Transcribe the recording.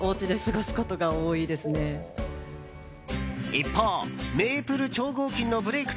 一方、メイプル超合金のブレーク